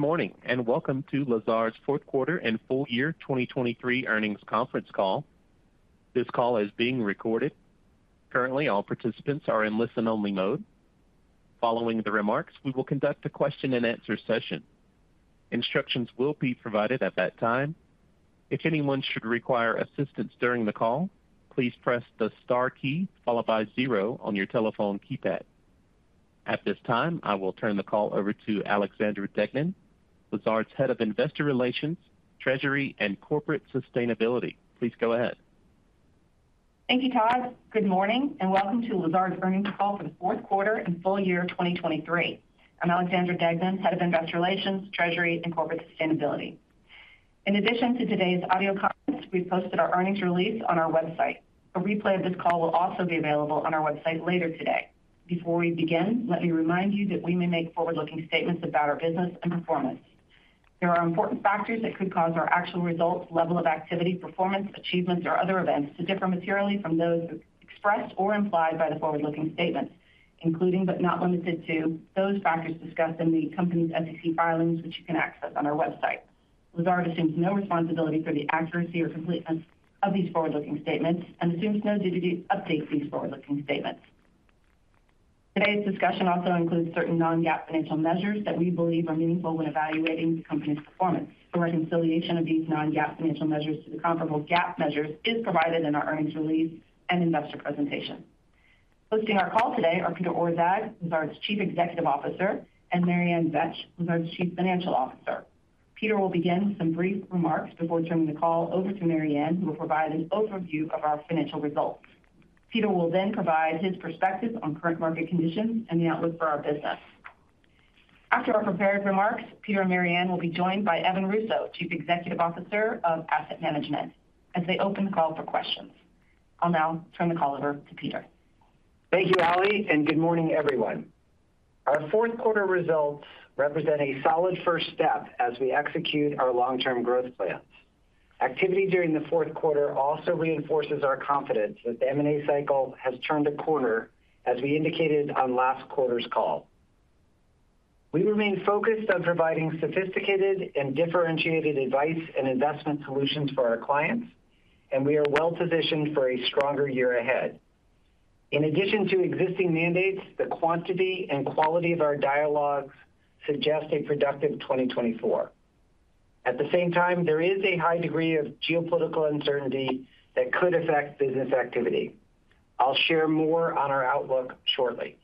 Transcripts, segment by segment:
Good morning, and welcome to Lazard's fourth quarter and full year 2023 earnings conference call. This call is being recorded. Currently, all participants are in listen-only mode. Following the remarks, we will conduct a question-and-answer session. Instructions will be provided at that time. If anyone should require assistance during the call, please press the star key followed by zero on your telephone keypad. At this time, I will turn the call over to Alexandra Deignan, Lazard's Head of Investor Relations, Treasury, and Corporate Sustainability. Please go ahead. Thank you, Todd. Good morning, and welcome to Lazard's earnings call for the fourth quarter and full year 2023. I'm Alexandra Deignan, Head of Investor Relations, Treasury, and Corporate Sustainability. In addition to today's audio conference, we've posted our earnings release on our website. A replay of this call will also be available on our website later today. Before we begin, let me remind you that we may make forward-looking statements about our business and performance. There are important factors that could cause our actual results, level of activity, performance, achievements, or other events to differ materially from those expressed or implied by the forward-looking statements, including, but not limited to, those factors discussed in the company's SEC filings, which you can access on our website. Lazard assumes no responsibility for the accuracy or completeness of these forward-looking statements and assumes no duty to update these forward-looking statements. Today's discussion also includes certain non-GAAP financial measures that we believe are meaningful when evaluating the company's performance. The reconciliation of these non-GAAP financial measures to the comparable GAAP measures is provided in our earnings release and investor presentation. Hosting our call today are Peter Orszag, Lazard's Chief Executive Officer, and Mary Ann Betsch, Lazard's Chief Financial Officer. Peter will begin with some brief remarks before turning the call over to Mary Ann Betsch, who will provide an overview of our financial results. Peter will then provide his perspective on current market conditions and the outlook for our business. After our prepared remarks, Peter and Mary Ann Betsch will be joined by Evan Russo, Chief Executive Officer of Asset Management, as they open the call for questions. I'll now turn the call over to Peter. Thank you, Ally, and good morning, everyone. Our fourth quarter results represent a solid first step as we execute our long-term growth plans. Activity during the fourth quarter also reinforces our confidence that the M&A cycle has turned a corner, as we indicated on last quarter's call. We remain focused on providing sophisticated and differentiated advice and investment solutions for our clients, and we are well-positioned for a stronger year ahead. In addition to existing mandates, the quantity and quality of our dialogues suggest a productive 2024. At the same time, there is a high degree of geopolitical uncertainty that could affect business activity. I'll share more on our outlook shortly.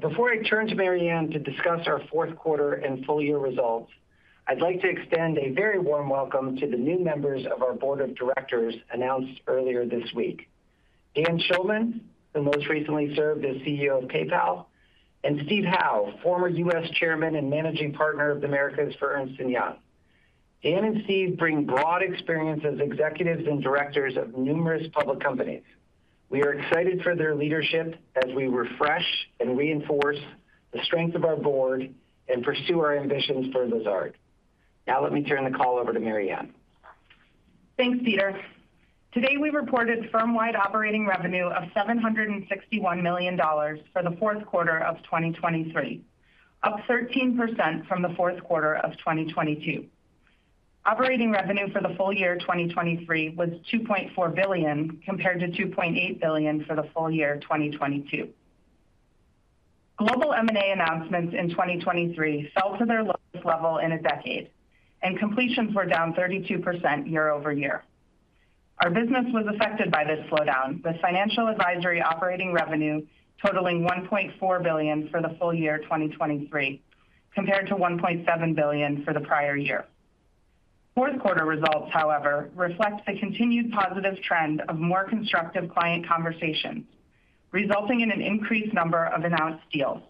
Before I turn to Mary Ann to discuss our fourth quarter and full-year results, I'd like to extend a very warm welcome to the new members of our board of directors, announced earlier this week. Dan Schulman, who most recently served as CEO of PayPal, and Stephen Howe, former U.S. Chairman and Managing Partner of the Americas for Ernst & Young. Dan and Steve bring broad experience as executives and directors of numerous public companies. We are excited for their leadership as we refresh and reinforce the strength of our board and pursue our ambitions for Lazard. Now, let me turn the call over to Mary Ann. Thanks, Peter. Today, we reported firm-wide operating revenue of $761,000,000 for the fourth quarter of 2023, up 13% from the fourth quarter of 2022. Operating revenue for the full year 2023 was $2,400,000,000, compared to $2,800,000,000 for the full year 2022. Global M&A announcements in 2023 fell to their lowest level in a decade, and completions were down 32% year-over-year. Our business was affected by this slowdown, with financial advisory operating revenue totaling $1,400,000,000 for the full year 2023, compared to $1,700,000,000 for the prior year. Fourth quarter results, however, reflect the continued positive trend of more constructive client conversations, resulting in an increased number of announced deals.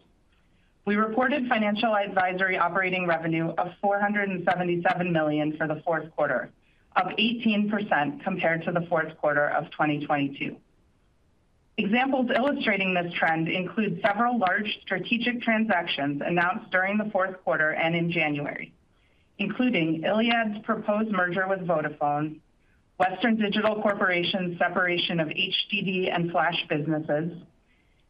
We reported financial advisory operating revenue of $477 for the fourth quarter, up 18% compared to the fourth quarter of 2022. Examples illustrating this trend include several large strategics transactions announced during the fourth quarter and in January, including Iliad's proposed merger with Vodafone, Western Digital Corporation's separation of HDD and flash businesses,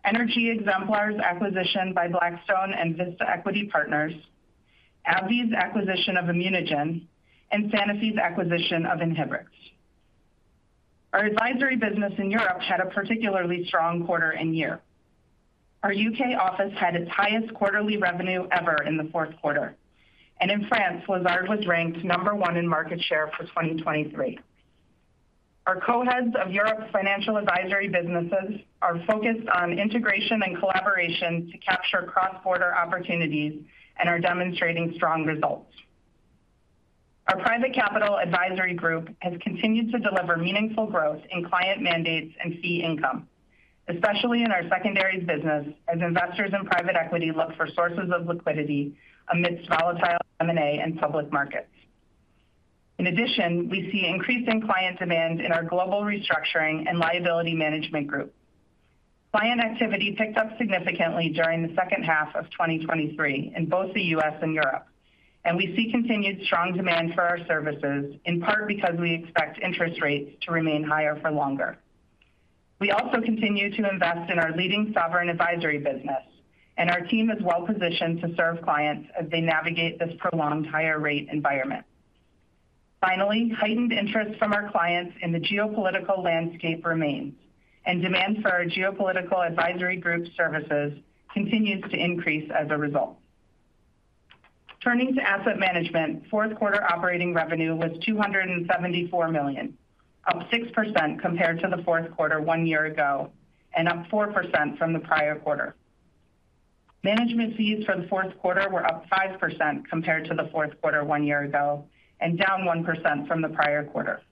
Energy Exemplar's acquisition by Blackstone and Vista Equity Partners, AbbVie's acquisition of ImmunoGen, and Sanofi's acquisition of Inhibrx. Our advisory business in Europe had a particularly strong quarter and year. Our UK office had its highest quarterly revenue ever in the fourth quarter, and in France, Lazard was ranked number one in market share for 2023. Our co-heads of Europe's financial advisory businesses are focused on integration and collaboration to capture cross-border opportunities and are demonstrating strong results. Our private capital advisory group has continued to deliver meaningful growth in client mandates and fee income, especially in our secondaries business, as investors in private equity look for sources of liquidity amidst volatile M&A and public markets. In addition, we see increasing client demand in our global restructuring and liability management group. Client activity picked up significantly during the second half of 2023 in both the U.S. and Europe, and we see continued strong demand for our services, in part because we expect interest rates to remain higher for longer.... We also continue to invest in our leading sovereign advisory business, and our team is well positioned to serve clients as they navigate this prolonged higher rate environment. Finally, heightened interest from our clients in the geopolitical landscape remains, and demand for our geopolitical advisory group services continues to increase as a result. Turning to asset management, fourth quarter operating revenue was $274,000,000, up 6% compared to the fourth quarter one year ago, and up 4% from the prior quarter. Management fees for the fourth quarter were up 5% compared to the fourth quarter one year ago, and down 1% from the prior quarter.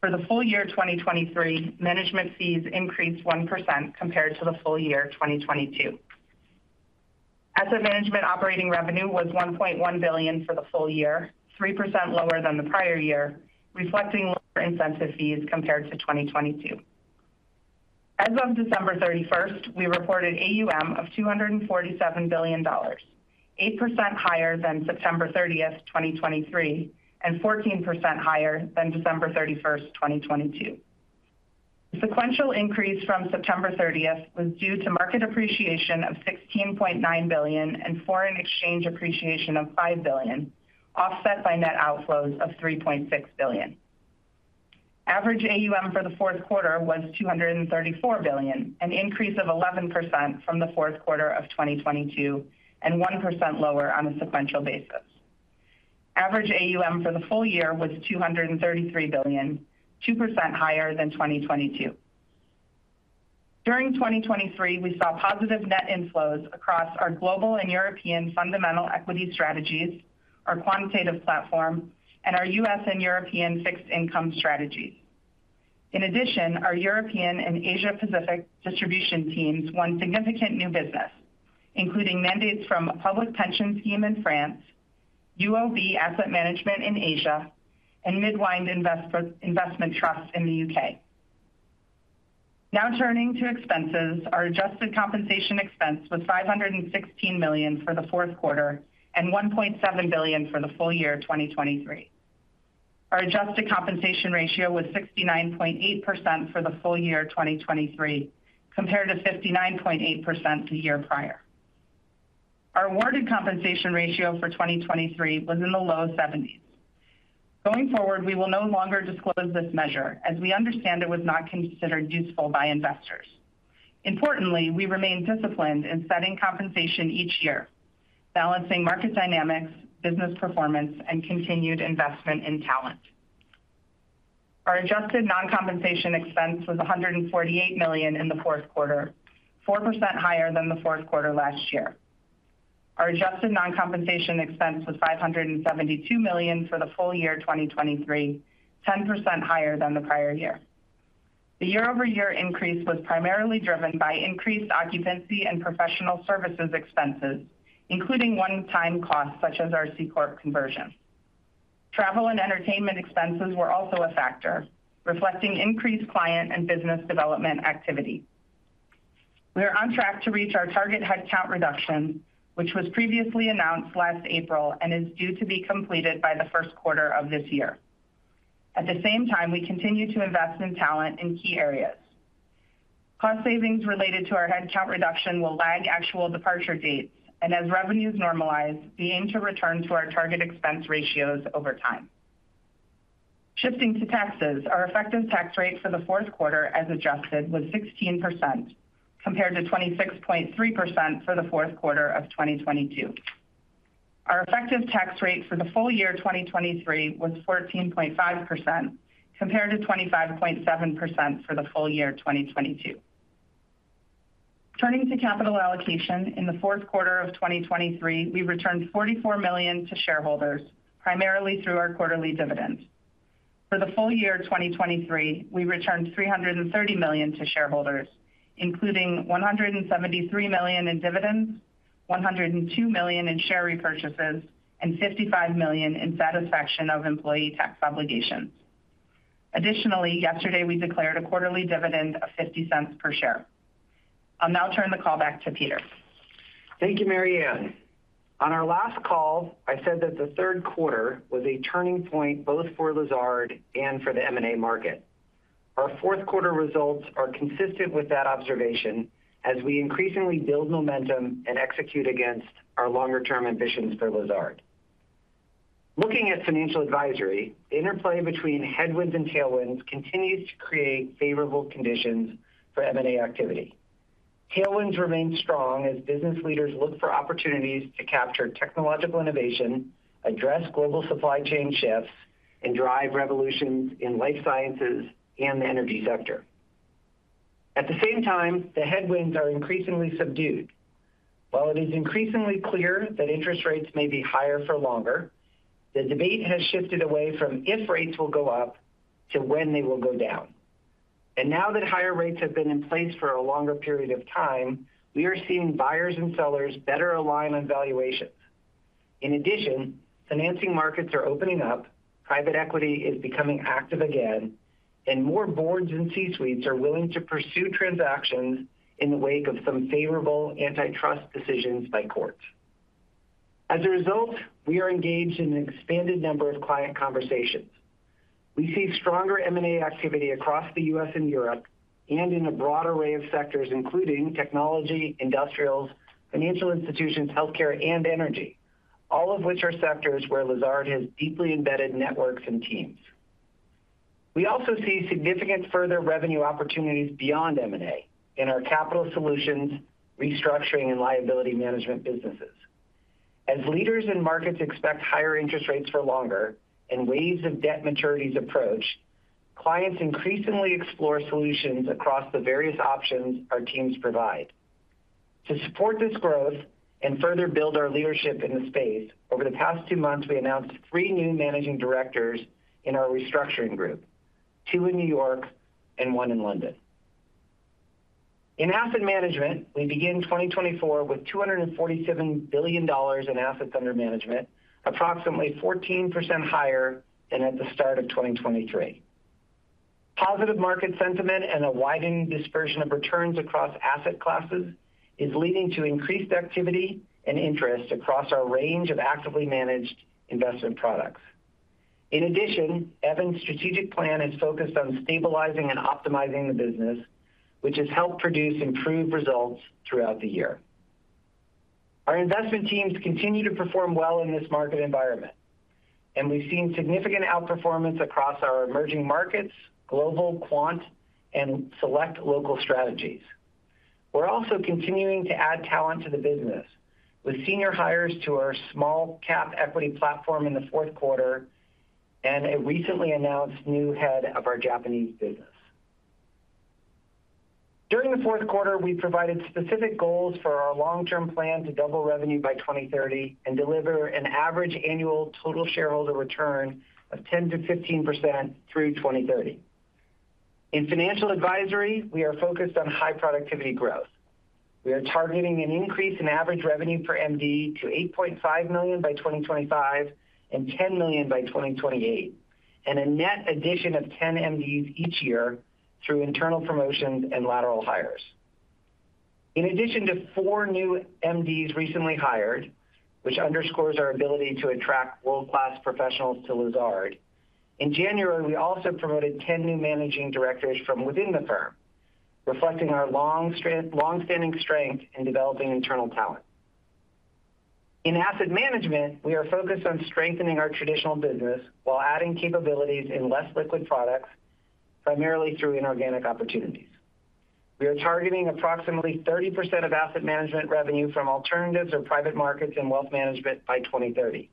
For the full year 2023, management fees increased 1% compared to the full year 2022. Asset management operating revenue was $1,100,000,000 for the full year, 3% lower than the prior year, reflecting lower incentive fees compared to 2022. As of December 31, we reported AUM of $247,000,000,000, 8% higher than September 30, 2023, and 14% higher than December 31, 2022. The sequential increase from September 30 was due to market appreciation of $16,900,000,000 and foreign exchange appreciation of $5,000,000,000, offset by net outflows of $3,600,000,000n. Average AUM for the fourth quarter was $234,000,000,000, an increase of 11% from the fourth quarter of 2022, and 1% lower on a sequential basis. Average AUM for the full year was $233,000,000,000, 2% higher than 2022. During 2023, we saw positive net inflows across our global and European fundamental equity strategies, our quantitative platform, and our U.S. and European fixed income strategies. In addition, our European and Asia Pacific distribution teams won significant new business, including mandates from a public pension scheme in France, UOB Asset Management in Asia, and Midwynd Investment Trust in the U.K. Now turning to expenses. Our adjusted compensation expense was $516,000,000 for the fourth quarter, and $1,700,000,000 for the full year 2023. Our adjusted compensation ratio was 69.8% for the full year 2023, compared to 59.8% the year prior. Our awarded compensation ratio for 2023 was in the low 70s. Going forward, we will no longer disclose this measure, as we understand it was not considered useful by investors. Importantly, we remain disciplined in setting compensation each year, balancing market dynamics, business performance, and continued investment in talent. Our adjusted non-compensation expense was $148,000,000 in the fourth quarter, 4% higher than the fourth quarter last year. Our adjusted non-compensation expense was $572,000,000 for the full year 2023, 10% higher than the prior year. The year-over-year increase was primarily driven by increased occupancy and professional services expenses, including one-time costs such as our C-corp conversion. Travel and entertainment expenses were also a factor, reflecting increased client and business development activity. We are on track to reach our target headcount reduction, which was previously announced last April, and is due to be completed by the first quarter of this year. At the same time, we continue to invest in talent in key areas. Cost savings related to our headcount reduction will lag actual departure dates, and as revenues normalize, we aim to return to our target expense ratios over time. Shifting to taxes, our effective tax rate for the fourth quarter, as adjusted, was 16%, compared to 26.3% for the fourth quarter of 2022. Our effective tax rate for the full year 2023 was 14.5%, compared to 25.7% for the full year 2022. Turning to capital allocation, in the fourth quarter of 2023, we returned $44,000,000 to shareholders, primarily through our quarterly dividends. For the full year 2023, we returned $330,000,000 to shareholders, including $173,000,000 in dividends, $102,000,000 in share repurchases, and $55,000,000 in satisfaction of employee tax obligations. Additionally, yesterday, we declared a quarterly dividend of $0.50 per share. I'll now turn the call back to Peter. Thank you, Mary Ann. On our last call, I said that the third quarter was a turning point, both for Lazard and for the M&A market. Our fourth quarter results are consistent with that observation as we increasingly build momentum and execute against our longer-term ambitions for Lazard. Looking at financial advisory, the interplay between headwinds and tailwinds continues to create favorable conditions for M&A activity. Tailwinds remain strong as business leaders look for opportunities to capture technological innovation, address global supply chain shifts, and drive revolutions in life sciences and the energy sector. At the same time, the headwinds are increasingly subdued. While it is increasingly clear that interest rates may be higher for longer, the debate has shifted away from if rates will go up to when they will go down. And now that higher rates have been in place for a longer period of time, we are seeing buyers and sellers better align on valuations. In addition, financing markets are opening up, private equity is becoming active again, and more boards and C-suites are willing to pursue transactions in the wake of some favorable antitrust decisions by courts. As a result, we are engaged in an expanded number of client conversations. We see stronger M&A activity across the U.S. and Europe, and in a broad array of sectors, including technology, industrials, financial institutions, healthcare, and energy, all of which are sectors where Lazard has deeply embedded networks and teams. We also see significant further revenue opportunities beyond M&A in our capital solutions, restructuring, and liability management businesses. As leaders and markets expect higher interest rates for longer, and waves of debt maturities approach, clients increasingly explore solutions across the various options our teams provide. To support this growth and further build our leadership in the space, over the past two months, we announced three new managing directors in our restructuring group, two in New York and one in London. In asset management, we begin 2024 with $247,000,000,000 in assets under management, approximately 14% higher than at the start of 2023. Positive market sentiment and a widening dispersion of returns across asset classes is leading to increased activity and interest across our range of actively managed investment products. In addition, Evan's strategic plan is focused on stabilizing and optimizing the business, which has helped produce improved results throughout the year. Our investment teams continue to perform well in this market environment, and we've seen significant outperformance across our emerging markets, global, quant, and select local strategies. We're also continuing to add talent to the business, with senior hires to our small cap equity platform in the fourth quarter, and a recently announced new head of our Japanese business. During the fourth quarter, we provided specific goals for our long-term plan to double revenue by 2030, and deliver an average annual total shareholder return of 10%-15% through 2030. In financial advisory, we are focused on high productivity growth. We are targeting an increase in average revenue per MD to $8,500,000 by 2025, and $10,000,000 by 2028, and a net addition of 10 MDs each year through internal promotions and lateral hires. In addition to 4 new MDs recently hired, which underscores our ability to attract world-class professionals to Lazard, in January, we also promoted 10 new managing directors from within the firm, reflecting our long-standing strength in developing internal talent. In asset management, we are focused on strengthening our traditional business while adding capabilities in less liquid products, primarily through inorganic opportunities. We are targeting approximately 30% of asset management revenue from alternatives or private markets and wealth management by 2030.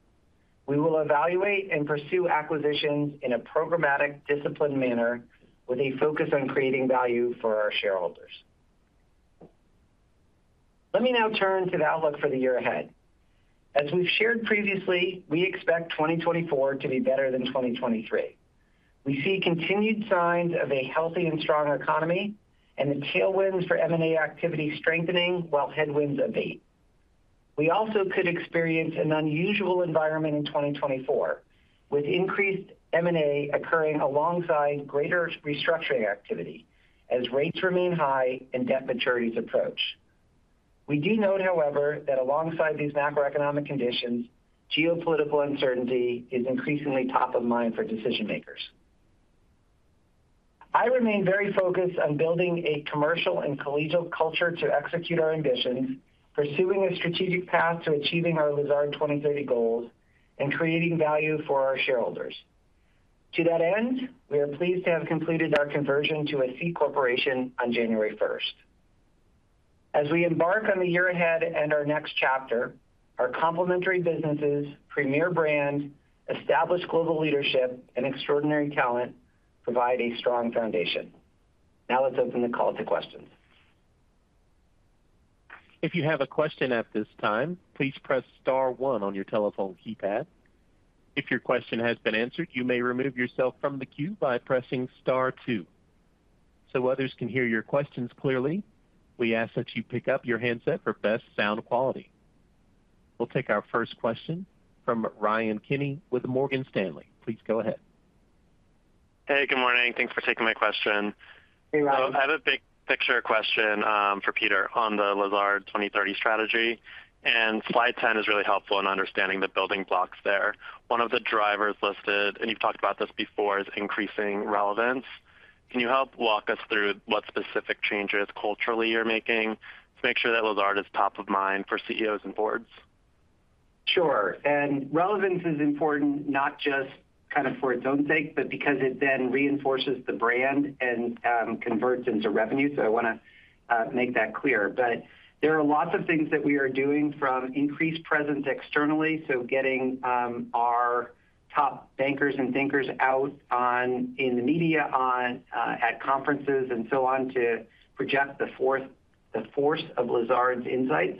We will evaluate and pursue acquisitions in a programmatic, disciplined manner with a focus on creating value for our shareholders. Let me now turn to the outlook for the year ahead. As we've shared previously, we expect 2024 to be better than 2023. We see continued signs of a healthy and strong economy, and the tailwinds for M&A activity strengthening while headwinds abate. We also could experience an unusual environment in 2024, with increased M&A occurring alongside greater restructuring activity as rates remain high and debt maturities approach. We do note, however, that alongside these macroeconomic conditions, geopolitical uncertainty is increasingly top of mind for decision-makers. I remain very focused on building a commercial and collegial culture to execute our ambitions, pursuing a strategic path to achieving our Lazard 2030 goals, and creating value for our shareholders. To that end, we are pleased to have completed our conversion to a C corporation on January 1. As we embark on the year ahead and our next chapter, our complementary businesses, premier brand, established global leadership, and extraordinary talent provide a strong foundation. Now, let's open the call to questions. If you have a question at this time, please press star one on your telephone keypad. If your question has been answered, you may remove yourself from the queue by pressing star two. So others can hear your questions clearly, we ask that you pick up your handset for best sound quality. We'll take our first question from Ryan Kenny with Morgan Stanley. Please go ahead. Hey, good morning. Thanks for taking my question. Hey, Ryan. So I have a big picture question, for Peter on the Lazard 2030 strategy, and slide 10 is really helpful in understanding the building blocks there. One of the drivers listed, and you've talked about this before, is increasing relevance. Can you help walk us through what specific changes culturally you're making to make sure that Lazard is top of mind for CEOs and boards? Sure. And relevance is important, not just kind of for its own sake, but because it then reinforces the brand and converts into revenue, so I want to make that clear. But there are lots of things that we are doing from increased presence externally, so getting our top bankers and thinkers out in the media, on at conferences and so on, to project the force of Lazard's insights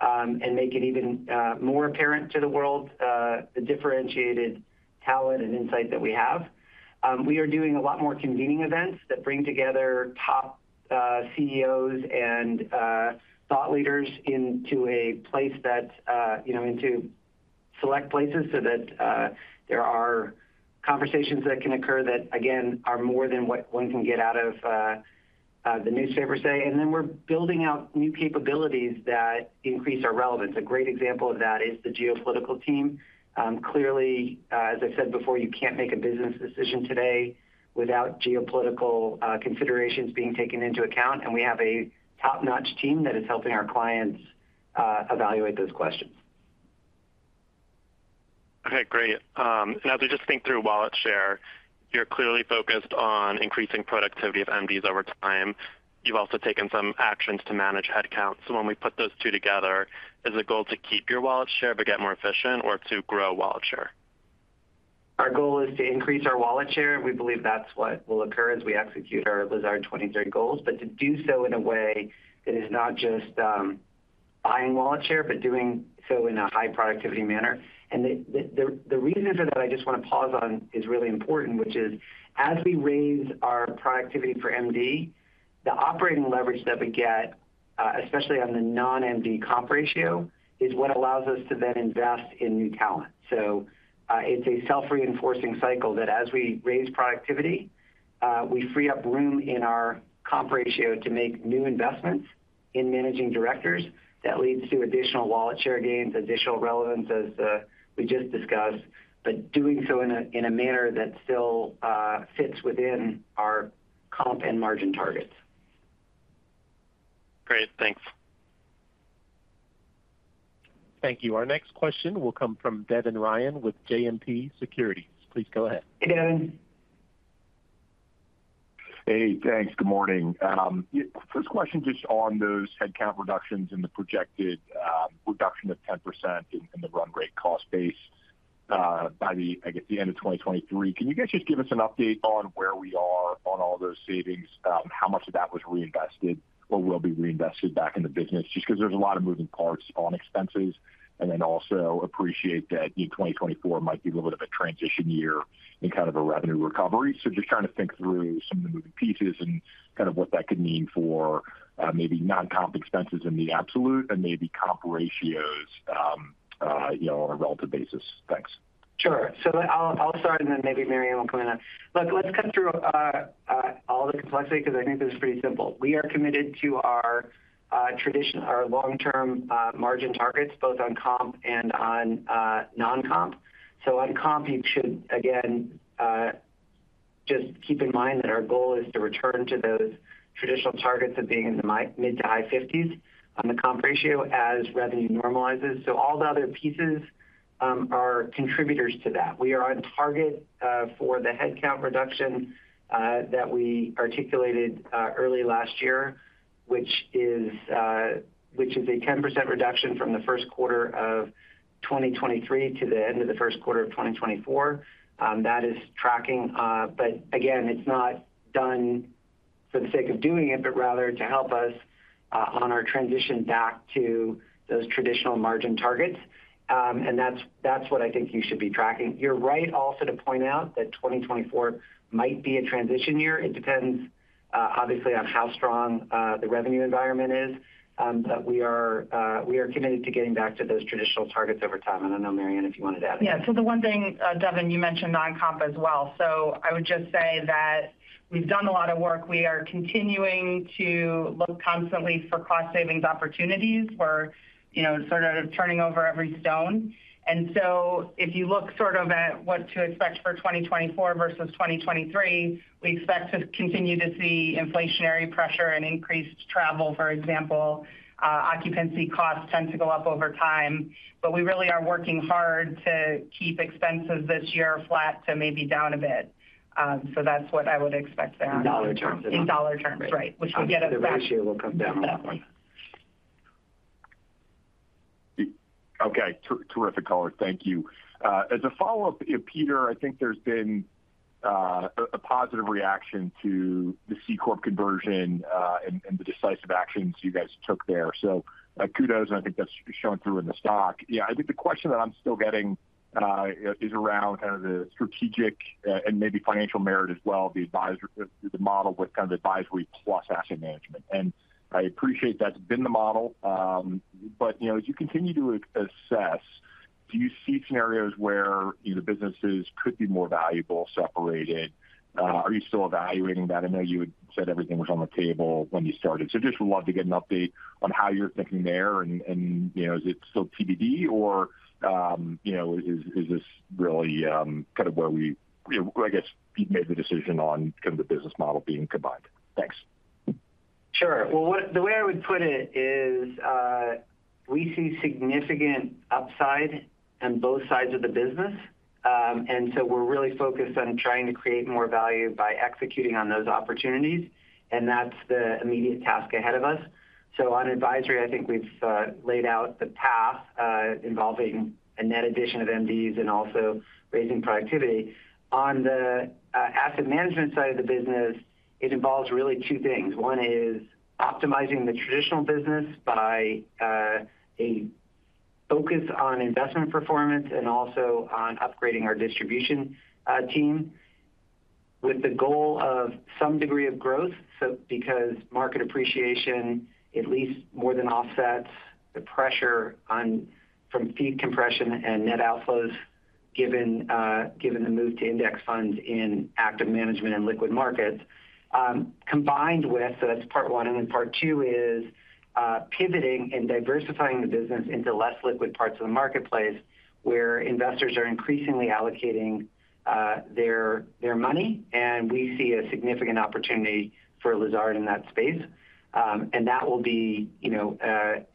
and make it even more apparent to the world the differentiated talent and insight that we have. We are doing a lot more convening events that bring together top CEOs and thought leaders into a place that, you know, into select places so that there are conversations that can occur that, again, are more than what one can get out of the newspapers say. We're building out new capabilities that increase our relevance. A great example of that is the geopolitical team. Clearly, as I said before, you can't make a business decision today without geopolitical considerations being taken into account, and we have a top-notch team that is helping our clients evaluate those questions. Okay, great. And as we just think through wallet share, you're clearly focused on increasing productivity of MDs over time. You've also taken some actions to manage headcount. So when we put those two together, is the goal to keep your wallet share but get more efficient or to grow wallet share? Our goal is to increase our wallet share. We believe that's what will occur as we execute our Lazard 2030 goals. But to do so in a way that is not just buying wallet share, but doing so in a high productivity manner. The reason for that, I just want to pause on, is really important, which is, as we raise our productivity for MD, the operating leverage that we get, especially on the non-MD comp ratio, is what allows us to then invest in new talent. So, it's a self-reinforcing cycle that as we raise productivity, we free up room in our comp ratio to make new investments in managing directors. That leads to additional wallet share gains, additional relevance, as we just discussed, but doing so in a, in a manner that still fits within our comp and margin targets. Great. Thanks. Thank you. Our next question will come from Devin Ryan with JMP Securities. Please go ahead. Devin. Hey, thanks. Good morning. First question, just on those headcount reductions and the projected reduction of 10% in the run rate cost base by the, I guess, the end of 2023. Can you guys just give us an update on where we are on all those savings, how much of that was reinvested or will be reinvested back in the business? Just because there's a lot of moving parts on expenses, and then also appreciate that in 2024 might be a little bit of a transition year in kind of a revenue recovery. So just trying to think through some of the moving pieces and kind of what that could mean for maybe non-comp expenses in the absolute and maybe comp ratios, you know, on a relative basis. Thanks. Sure. So I'll start, and then maybe Mary Ann will comment on. Look, let's cut through all the complexity because I think this is pretty simple. We are committed to our long-term margin targets, both on comp and on non-comp. So on comp, you should, again, just keep in mind that our goal is to return to those traditional targets of being in the mid-to-high 50s% on the comp ratio as revenue normalizes. So all the other pieces are contributors to that. We are on target for the headcount reduction that we articulated early last year, which is a 10% reduction from the first quarter of 2023 to the end of the first quarter of 2024. That is tracking, but again, it's not done for the sake of doing it, but rather to help us on our transition back to those traditional margin targets. And that's what I think you should be tracking. You're right also to point out that 2024 might be a transition year. It depends, obviously, on how strong the revenue environment is. But we are committed to getting back to those traditional targets over time. I don't know, Mary Ann, if you wanted to add anything. Yeah. So the one thing, Devin, you mentioned non-comp as well. So I would just say that we've done a lot of work. We are continuing to look constantly for cost savings opportunities. We're, you know, sort of turning over every stone. And so if you look sort of at what to expect for 2024 versus 2023, we expect to continue to see inflationary pressure and increased travel, for example. Occupancy costs tend to go up over time, but we really are working hard to keep expenses this year flat to maybe down a bit. So that's what I would expect there. In dollar terms. In dollar terms, right. Which I'll get it back- The ratio will come down on that one. Okay, terrific color. Thank you. As a follow-up, Peter, I think there's been a positive reaction to the C-corp conversion and the decisive actions you guys took there. So, kudos, and I think that's showing through in the stock. Yeah, I think the question that I'm still getting is around kind of the strategic and maybe financial merit as well, the advisory model with kind of advisory plus asset management. And I appreciate that's been the model, but you know, as you continue to assess, do you see scenarios where the businesses could be more valuable separated? Are you still evaluating that? I know you had said everything was on the table when you started. So, just would love to get an update on how you're thinking there and, you know, is it still TBD or, you know, is this really kind of where we, I guess, made the decision on kind of the business model being combined? Thanks. Sure. Well, the way I would put it is, we see significant upside on both sides of the business. And so we're really focused on trying to create more value by executing on those opportunities, and that's the immediate task ahead of us. So on advisory, I think we've laid out the path, involving a net addition of MDs and also raising productivity. On the asset management side of the business, it involves really two things. One is optimizing the traditional business by a focus on investment performance and also on upgrading our distribution team with the goal of some degree of growth. So because market appreciation at least more than offsets the pressure on from fee compression and net outflows, given the move to index funds in active management and liquid markets. Combined with, so that's part one, and then part two is, pivoting and diversifying the business into less liquid parts of the marketplace, where investors are increasingly allocating, their, their money. And we see a significant opportunity for Lazard in that space. And that will be, you know,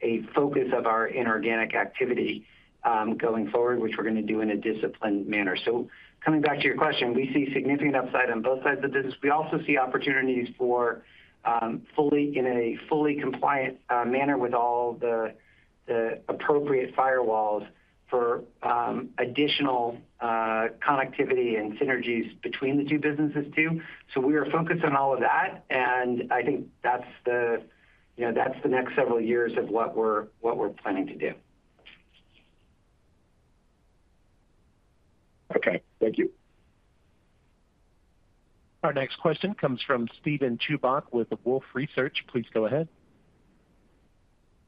a focus of our inorganic activity, going forward, which we're going to do in a disciplined manner. So coming back to your question, we see significant upside on both sides of the business. We also see opportunities for a fully compliant manner with all the appropriate firewalls for additional connectivity and synergies between the two businesses, too. So we are focused on all of that, and I think that's the, you know, that's the next several years of what we're planning to do. Okay, thank you. Our next question comes from Steven Chubak with Wolfe Research. Please go ahead.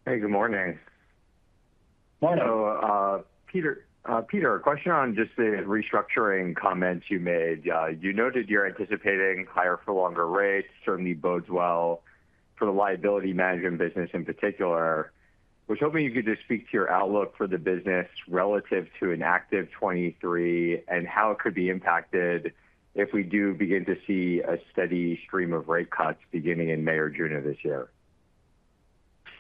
Hey, good morning. Morning. Peter, Peter, a question on just the restructuring comments you made. You noted you're anticipating higher for longer rates, certainly bodes well for the liability management business in particular. I was hoping you could just speak to your outlook for the business relative to an active 2023, and how it could be impacted if we do begin to see a steady stream of rate cuts beginning in May or June of this year.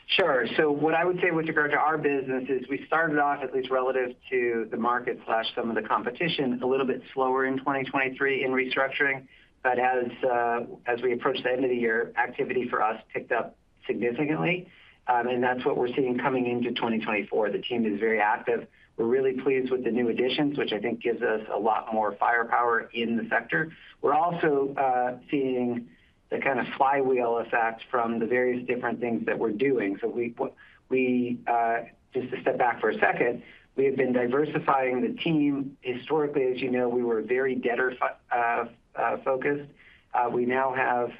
Sure. So what I would say with regard to our business is we started off, at least relative to the market, slash, some of the competition, a little bit slower in 2023 in restructuring. But as we approached the end of the year, activity for us picked up significantly. And that's what we're seeing coming into 2024. The team is very active. We're really pleased with the new additions, which I think gives us a lot more firepower in the sector. We're also seeing the kind of flywheel effect from the various different things that we're doing. So just to step back for a second, we have been diversifying the team. Historically, as you know, we were very debtor focused. We now have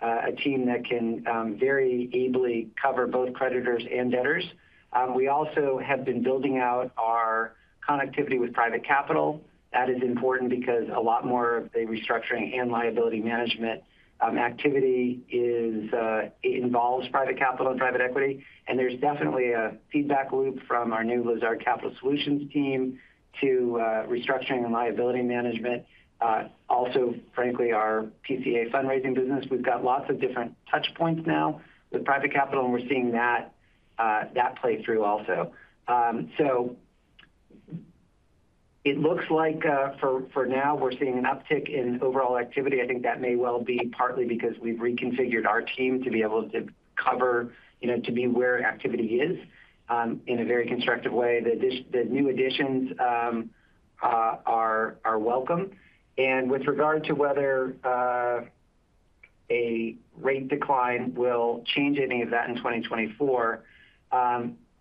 a team that can very ably cover both creditors and debtors. We also have been building out our connectivity with private capital. That is important because a lot more of the restructuring and liability management activity involves private capital and private equity. And there's definitely a feedback loop from our new Lazard Capital Solutions team to restructuring and liability management. Also, frankly, our PCA fundraising business. We've got lots of different touch points now with private capital, and we're seeing that that play through also. So it looks like for now, we're seeing an uptick in overall activity. I think that may well be partly because we've reconfigured our team to be able to cover, you know, to be where activity is in a very constructive way. The new additions are welcome. With regard to whether a rate decline will change any of that in 2024,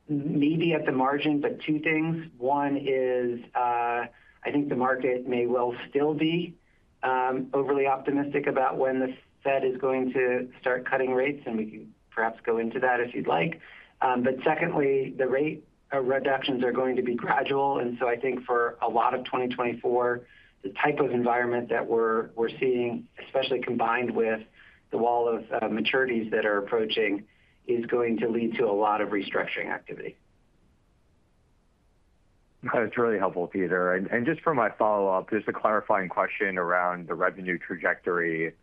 maybe at the margin, but two things. One is, I think the market may well still be overly optimistic about when the Fed is going to start cutting rates, and we can perhaps go into that if you'd like. But secondly, the rate reductions are going to be gradual, and so I think for a lot of 2024, the type of environment that we're seeing, especially combined with the wall of maturities that are approaching, is going to lead to a lot of restructuring activity. That's really helpful, Peter. And just for my follow-up, just a clarifying question around the revenue trajectory.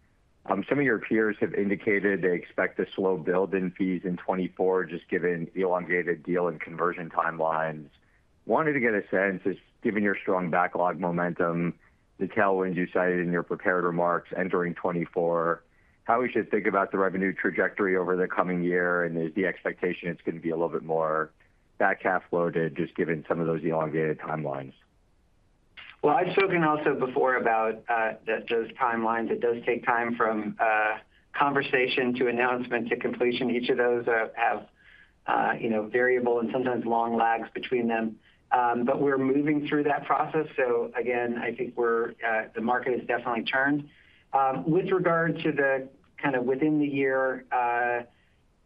Some of your peers have indicated they expect a slow build in fees in 2024, just given the elongated deal and conversion timelines. Wanted to get a sense, just given your strong backlog momentum, the tailwinds you cited in your prepared remarks entering 2024, how we should think about the revenue trajectory over the coming year, and is the expectation it's going to be a little bit more back half loaded, just given some of those elongated timelines? Well, I've spoken also before about that those timelines, it does take time from conversation to announcement to completion. Each of those have, you know, variable and sometimes long lags between them. But we're moving through that process. So again, I think we're the market has definitely turned. With regard to the kind of within the year,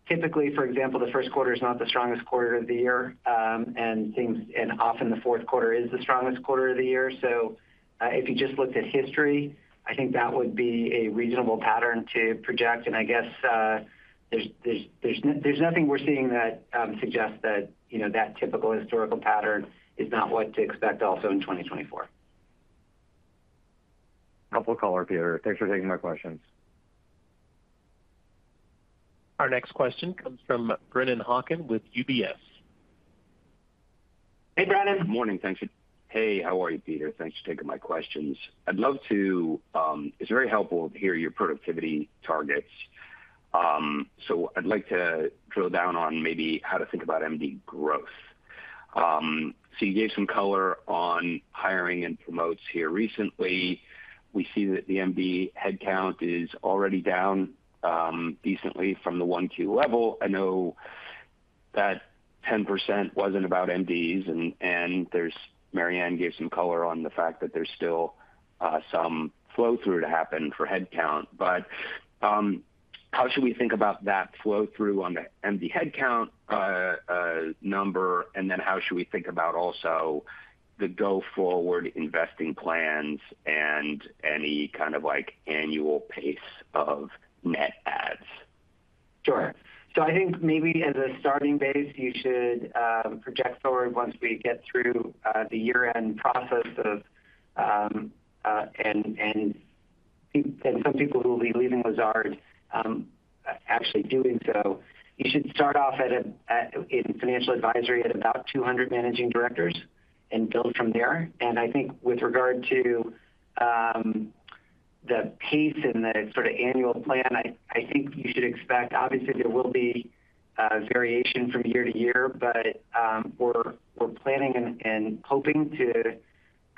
typically, for example, the first quarter is not the strongest quarter of the year, and often the fourth quarter is the strongest quarter of the year. So, if you just looked at history, I think that would be a reasonable pattern to project. And I guess, there's nothing we're seeing that suggests that, you know, that typical historical pattern is not what to expect also in 2024. Helpful color, Peter. Thanks for taking my questions. Our next question comes from Brennan Hawken with UBS. Hey, Brennan. Good morning. Thanks. Hey, how are you, Peter? Thanks for taking my questions. I'd love to. It's very helpful to hear your productivity targets. So I'd like to drill down on maybe how to think about M&A growth. So you gave some color on hiring and promotes here recently. We see that the M&A headcount is already down decently from the 1Q level. I know that 10% wasn't about MDs, and there's Mary Ann gave some color on the fact that there's still some flow-through to happen for headcount. But how should we think about that flow-through on the MD headcount number? And then how should we think about also the go-forward investing plans and any kind of, like, annual pace of net adds? Sure. So I think maybe as a starting base, you should project forward once we get through the year-end process of and some people who will be leaving Lazard actually doing so. You should start off at in financial advisory at about 200 managing directors and build from there. And I think with regard to the pace and the sort of annual plan, I think you should expect, obviously, there will be variation from year to year, but, we're planning and hoping to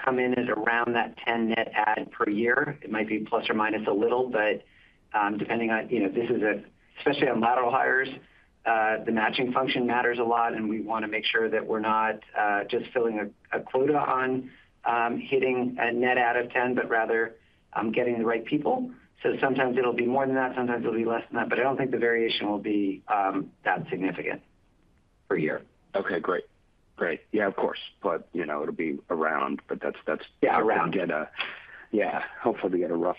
come in at around that 10 net add per year. It might be plus or minus a little, but, depending on, you know, this is especially on lateral hires, the matching function matters a lot, and we want to make sure that we're not just filling a quota on hitting a net add of 10, but rather, getting the right people. So sometimes it'll be more than that, sometimes it'll be less than that, but I don't think the variation will be that significant. Per year. Okay, great. Great. Yeah, of course. But, you know, it'll be around. But that's, that's- Yeah, around. To get a yeah, hopefully, get a rough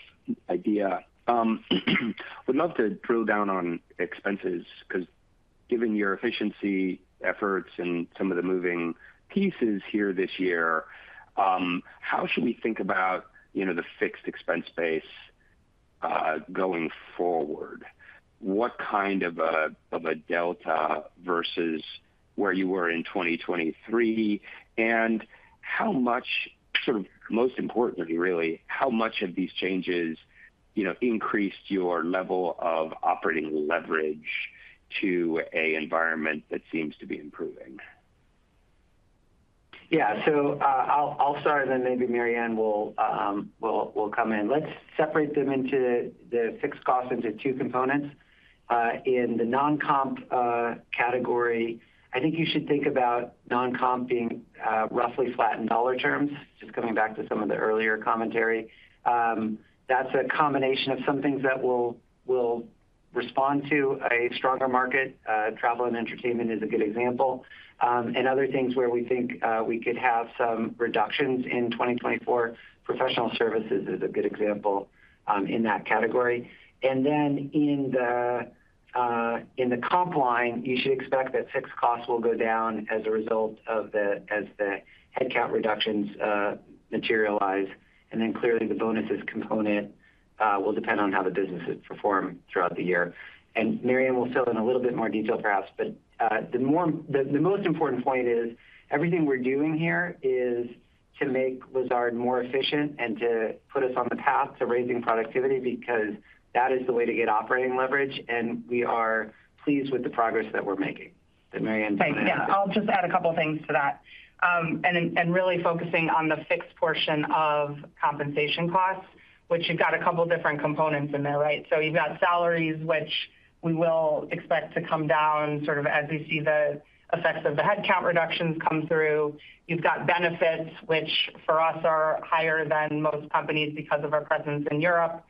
idea. Would love to drill down on expenses, because given your efficiency efforts and some of the moving pieces here this year, how should we think about, you know, the fixed expense base, going forward? What kind of a delta versus where you were in 2023, and how much, sort of most importantly, really, how much of these changes, you know, increased your level of operating leverage to an environment that seems to be improving? Yeah. So, I'll start, and then maybe Mary Ann will come in. Let's separate them into the fixed costs into two components. In the non-comp category, I think you should think about non-comp being roughly flat in dollar terms, just coming back to some of the earlier commentary. That's a combination of some things that will respond to a stronger market. Travel and entertainment is a good example. And other things where we think we could have some reductions in 2024, professional services is a good example in that category. And then in the comp line, you should expect that fixed costs will go down as a result of as the headcount reductions materialize. And then clearly, the bonuses component will depend on how the businesses perform throughout the year. And Mary Ann will fill in a little bit more detail, perhaps, but the most important point is, everything we're doing here is to make Lazard more efficient and to put us on the path to raising productivity, because that is the way to get operating leverage, and we are pleased with the progress that we're making. Then Mary Ann- Thanks. Yeah, I'll just add a couple of things to that. And really focusing on the fixed portion of compensation costs, which you've got a couple different components in there, right? So you've got salaries, which we will expect to come down sort of as we see the effects of the headcount reductions come through. You've got benefits, which for us, are higher than most companies because of our presence in Europe,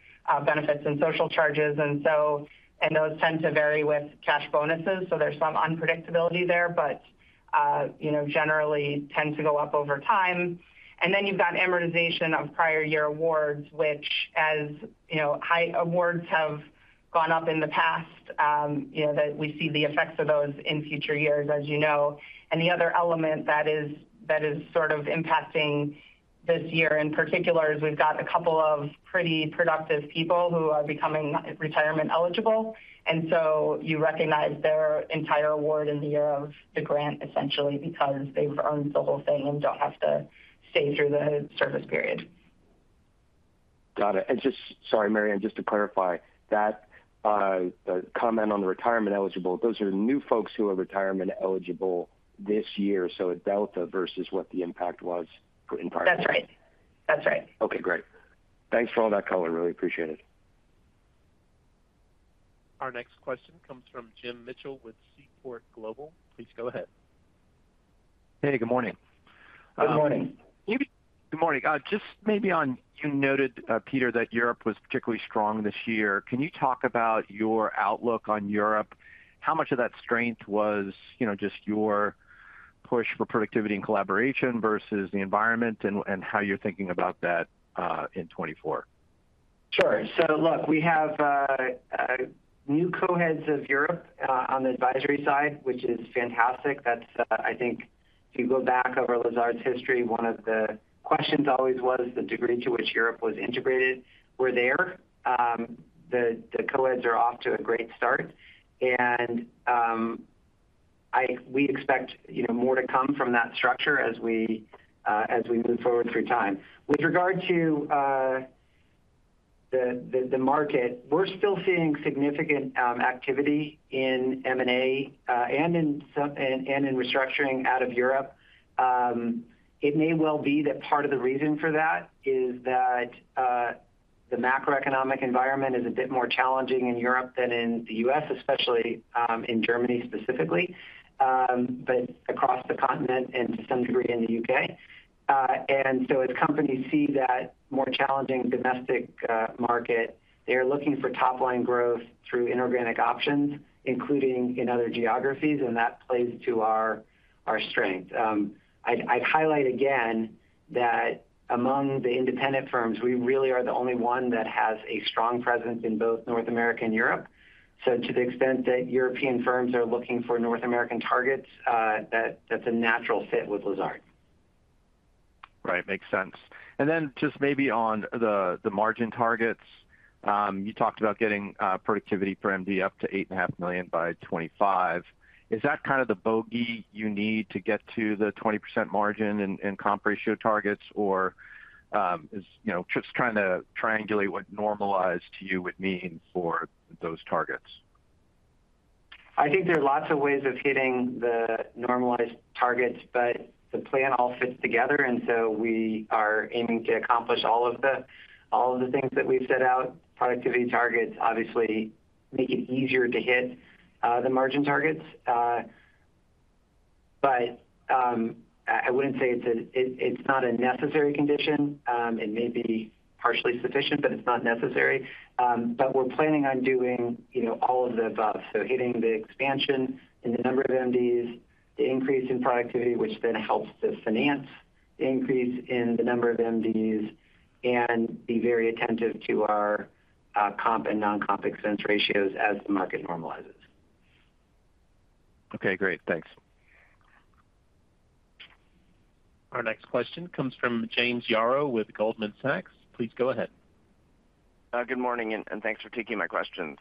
benefits and social charges. And so those tend to vary with cash bonuses, so there's some unpredictability there, but, you know, generally tend to go up over time. And then you've got amortization of prior year awards, which as you know, high awards have gone up in the past, you know, that we see the effects of those in future years, as you know. The other element that is sort of impacting this year in particular is we've got a couple of pretty productive people who are becoming retirement eligible, and so you recognize their entire award in the year of the grant, essentially because they've earned the whole thing and don't have to stay through the service period. Got it. And just... Sorry, Mary Ann, just to clarify, that, the comment on the retirement eligible, those are new folks who are retirement eligible this year, so a delta versus what the impact was in prior- That's right. That's right. Okay, great. Thanks for all that color. Really appreciate it. Our next question comes from Jim Mitchell with Seaport Global. Please go ahead. Hey, good morning. Good morning. Good morning. Just maybe on you noted, Peter, that Europe was particularly strong this year. Can you talk about your outlook on Europe? How much of that strength was, you know, just your push for productivity and collaboration versus the environment, and how you're thinking about that in 2024? Sure. So look, we have a new co-heads of Europe on the advisory side, which is fantastic. That's, I think if you go back over Lazard's history, one of the questions always was the degree to which Europe was integrated. We're there. The co-heads are off to a great start, and we expect, you know, more to come from that structure as we move forward through time. With regard to the market, we're still seeing significant activity in M&A and in restructuring out of Europe. It may well be that part of the reason for that is that the macroeconomic environment is a bit more challenging in Europe than in the U.S., especially in Germany specifically, but across the continent and to some degree in the U.K. And so as companies see that more challenging domestic market, they are looking for top-line growth through inorganic options, including in other geographies, and that plays to our strength. I'd highlight again, that among the independent firms, we really are the only one that has a strong presence in both North America and Europe. So to the extent that European firms are looking for North American targets, that's a natural fit with Lazard. Right. Makes sense. And then just maybe on the margin targets, you talked about getting productivity per MD up to $8,500,000 by 2025. Is that kind of the bogey you need to get to the 20% margin and comp ratio targets? Or, you know, just trying to triangulate what normalized to you would mean for those targets. I think there are lots of ways of hitting the normalized targets, but the plan all fits together, and so we are aiming to accomplish all of the things that we've set out. Productivity targets obviously make it easier to hit the margin targets. But I wouldn't say it's a... It's not a necessary condition. It may be partially sufficient, but it's not necessary. But we're planning on doing, you know, all of the above. So hitting the expansion in the number of MDs, the increase in productivity, which then helps to finance the increase in the number of MDs, and be very attentive to our comp and non-comp expense ratios as the market normalizes. Okay, great. Thanks. Our next question comes from James Yaro with Goldman Sachs. Please go ahead. Good morning, and thanks for taking my questions.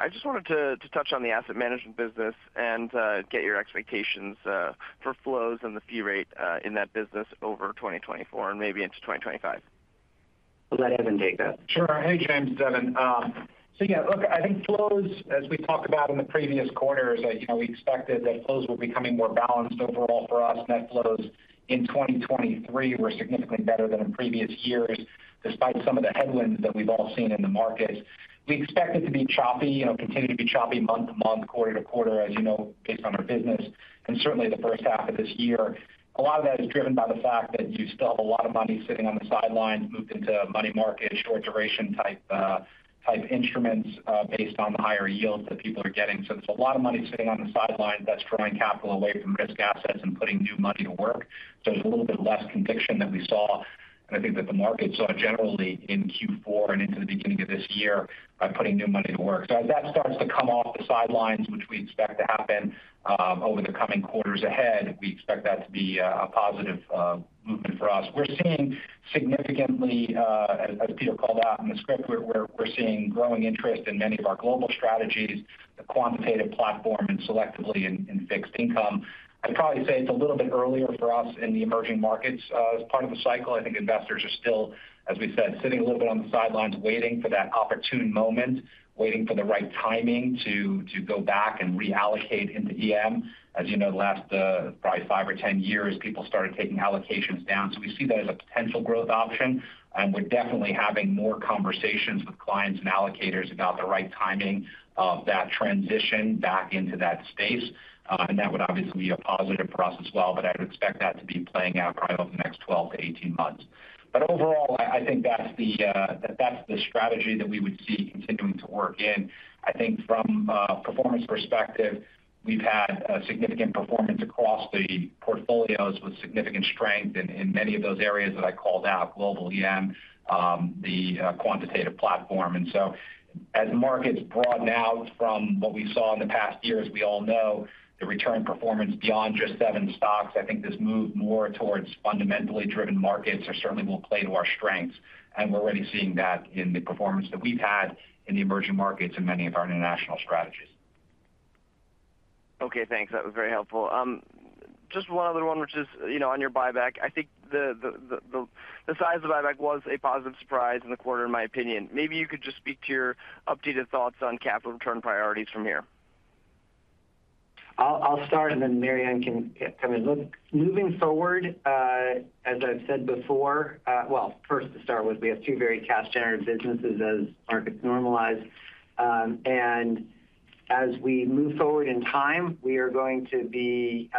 I just wanted to touch on the asset management business and get your expectations for flows and the fee rate in that business over 2024 and maybe into 2025. We'll let Evan take that. Sure. Hey, James. Devin. So yeah, look, I think flows, as we talked about in the previous quarters, you know, we expected that flows were becoming more balanced overall for us. Net flows in 2023 were significantly better than in previous years, despite some of the headwinds that we've all seen in the market. We expect it to be choppy, you know, continue to be choppy month to month, quarter to quarter, as you know, based on our business, and certainly the first half of this year. A lot of that is driven by the fact that you still have a lot of money sitting on the sidelines, moved into money market, short-duration type instruments, based on the higher yields that people are getting. So there's a lot of money sitting on the sidelines that's drawing capital away from risk assets and putting new money to work. So there's a little bit less conviction than we saw, and I think that the market saw generally in Q4 and into the beginning of this year, by putting new money to work. So as that starts to come off the sidelines, which we expect to happen, over the coming quarters ahead, we expect that to be a positive movement for us. We're seeing significantly, as Peter called out in the script, we're seeing growing interest in many of our global strategies, the quantitative platform, and selectively in fixed income. I'd probably say it's a little bit earlier for us in the emerging markets. As part of the cycle, I think investors are still, as we said, sitting a little bit on the sidelines, waiting for that opportune moment, waiting for the right timing to go back and reallocate into EM. As you know, the last probably five or 10 years, people started taking allocations down, so we see that as a potential growth option. And we're definitely having more conversations with clients and allocators about the right timing of that transition back into that space. And that would obviously be a positive for us as well, but I'd expect that to be playing out probably over the next 12-18 months. But overall, I think that's the strategy that we would see continuing to work in. I think from a performance perspective, we've had a significant performance across the portfolios, with significant strength in many of those areas that I called out, global EM, the quantitative platform. And so as markets broaden out from what we saw in the past years, we all know the return performance beyond just seven stocks. I think this move more towards fundamentally driven markets certainly will play to our strengths, and we're already seeing that in the performance that we've had in the emerging markets and many of our international strategies. Okay, thanks. That was very helpful. Just one other one, which is, you know, on your buyback, I think the size of the buyback was a positive surprise in the quarter, in my opinion. Maybe you could just speak to your updated thoughts on capital return priorities from here. I'll start, and then Mary Ann can come in. Look, moving forward, as I've said before. Well, first to start with, we have two very cash-generative businesses as markets normalize. And as we move forward in time, we are going to be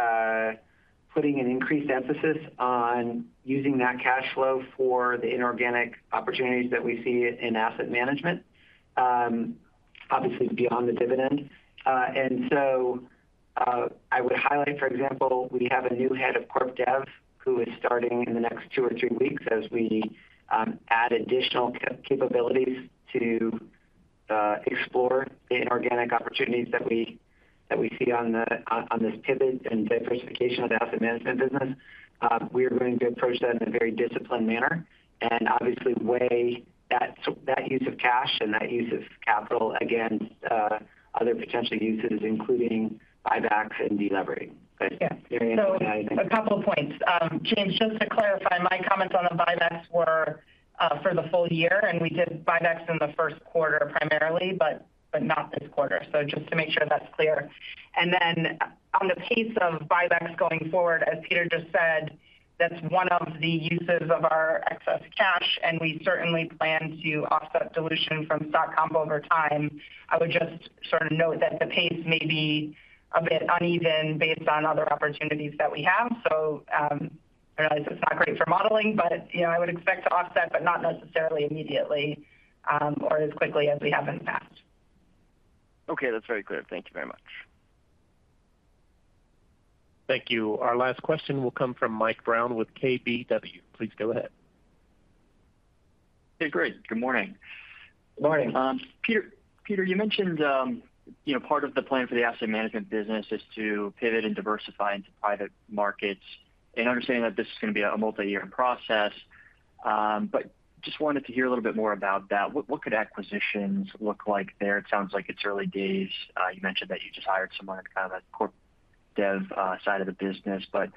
putting an increased emphasis on using that cash flow for the inorganic opportunities that we see in asset management, obviously beyond the dividend. And so, I would highlight, for example, we have a new head of corp dev, who is starting in the next two or three weeks, as we add additional capabilities to explore the inorganic opportunities that we see on this pivot and diversification of the asset management business. We are going to approach that in a very disciplined manner and obviously weigh that, so that use of cash and that use of capital against other potential uses, including buybacks and delevering. But yeah, Mary Ann, go ahead. A couple of points. James, just to clarify, my comments on the buybacks were for the full year, and we did buybacks in the first quarter primarily, but not this quarter. Just to make sure that's clear. Then on the pace of buybacks going forward, as Peter just said, that's one of the uses of our excess cash, and we certainly plan to offset dilution from stock comp over time. I would just sort of note that the pace may be a bit uneven based on other opportunities that we have. I realize it's not great for modeling, but you know, I would expect to offset, but not necessarily immediately or as quickly as we have in the past. Okay, that's very clear. Thank you very much.... Thank you. Our last question will come from Mike Brown with KBW. Please go ahead. Hey, great. Good morning. Morning. Peter, Peter, you mentioned, you know, part of the plan for the asset management business is to pivot and diversify into private markets, and understanding that this is going to be a multi-year process. Just wanted to hear a little bit more about that. What could acquisitions look like there? It sounds like it's early days. You mentioned that you just hired someone on the kind of core dev side of the business, but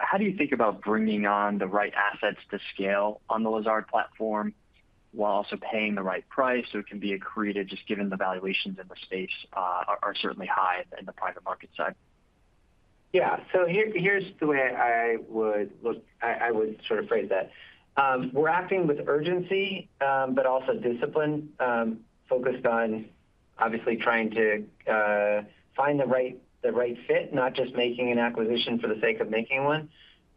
how do you think about bringing on the right assets to scale on the Lazard platform while also paying the right price so it can be accretive, just given the valuations in the space are certainly high in the private market side? Yeah. So here's the way I would sort of phrase that. We're acting with urgency, but also discipline, focused on obviously trying to find the right fit, not just making an acquisition for the sake of making one.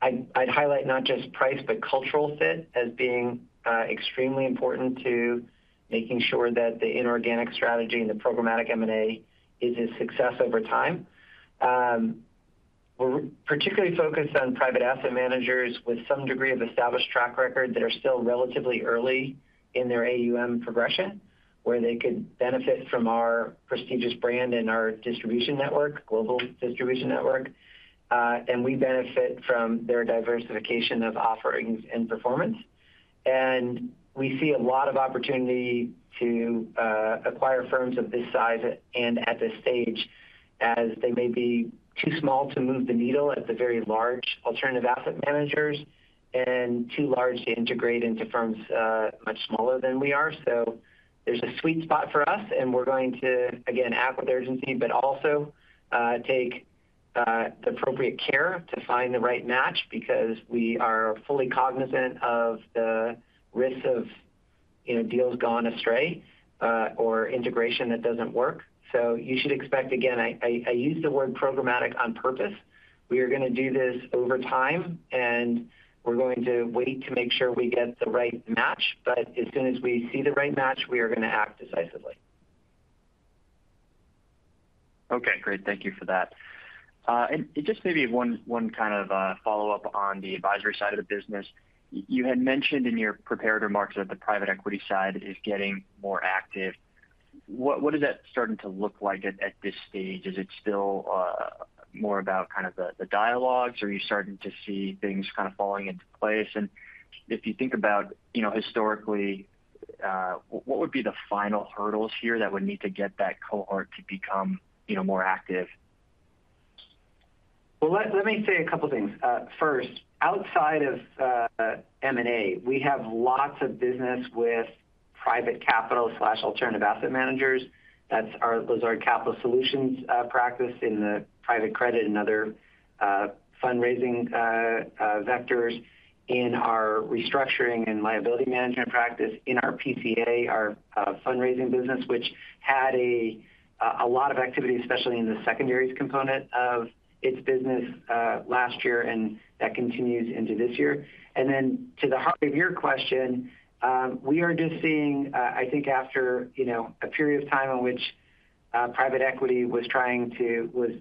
I'd highlight not just price, but cultural fit as being extremely important to making sure that the inorganic strategy and the programmatic M&A is a success over time. We're particularly focused on private asset managers with some degree of established track record, that are still relatively early in their AUM progression, where they could benefit from our prestigious brand and our distribution network, global distribution network. And we benefit from their diversification of offerings and performance. We see a lot of opportunity to acquire firms of this size and at this stage, as they may be too small to move the needle at the very large alternative asset managers, and too large to integrate into firms much smaller than we are. There's a sweet spot for us, and we're going to, again, act with urgency, but also take the appropriate care to find the right match, because we are fully cognizant of the risks of, you know, deals gone astray or integration that doesn't work. You should expect, again, I use the word programmatic on purpose. We are going to do this over time, and we're going to wait to make sure we get the right match, but as soon as we see the right match, we are going to act decisively. Okay, great. Thank you for that. Just maybe one kind of follow-up on the advisory side of the business. You had mentioned in your prepared remarks that the private equity side is getting more active. What is that starting to look like at this stage? Is it still more about kind of the dialogues, or are you starting to see things kind of falling into place? And if you think about, you know, historically, what would be the final hurdles here that would need to get that cohort to become, you know, more active? Well, let me say a couple of things. First, outside of M&A, we have lots of business with private capital/alternative asset managers. That's our Lazard Capital Solutions practice in the private credit and other fundraising vectors in our restructuring and liability management practice in our PCA, our fundraising business, which had a lot of activity, especially in the secondaries component of its business, last year, and that continues into this year. And then to the heart of your question, we are just seeing, I think after, you know, a period of time in which private equity was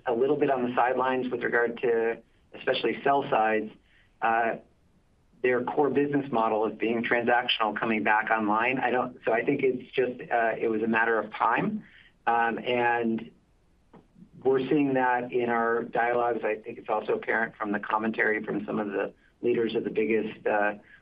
a little bit on the sidelines with regard to especially sell-sides, their core business model is being transactional, coming back online. I don't- so I think it's just, it was a matter of time. And we're seeing that in our dialogues. I think it's also apparent from the commentary from some of the leaders of the biggest,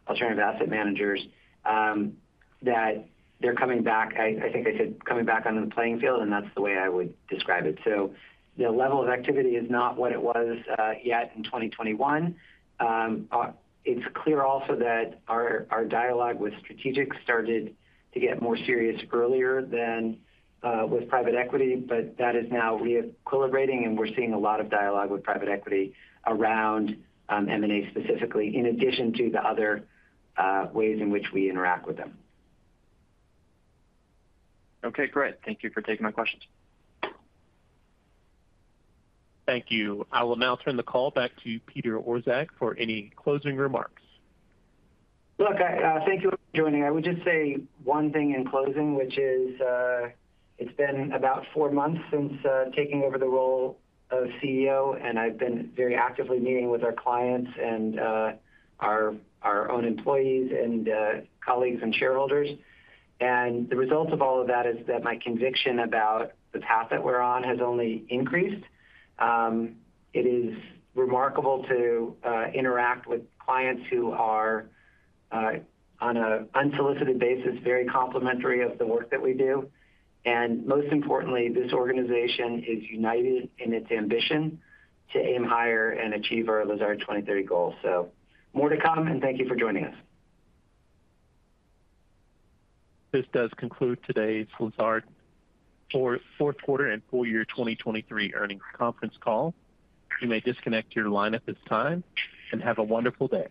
alternative asset managers, that they're coming back. I think I said, coming back onto the playing field, and that's the way I would describe it. So the level of activity is not what it was, yet in 2021. It's clear also that our dialogue with strategic started to get more serious earlier than, with private equity, but that is now re-equilibrating, and we're seeing a lot of dialogue with private equity around, M&A specifically, in addition to the other, ways in which we interact with them. Okay, great. Thank you for taking my questions. Thank you. I will now turn the call back to Peter Orszag for any closing remarks. Look, thank you for joining. I would just say one thing in closing, which is, it's been about four months since taking over the role of CEO, and I've been very actively meeting with our clients and our own employees and colleagues and shareholders. The result of all of that is that my conviction about the path that we're on has only increased. It is remarkable to interact with clients who are, on an unsolicited basis, very complimentary of the work that we do. Most importantly, this organization is united in its ambition to aim higher and achieve our Lazard 2030 goal. So more to come, and thank you for joining us. This does conclude today's Lazard's fourth quarter and full year 2023 earnings conference call. You may disconnect your line at this time, and have a wonderful day.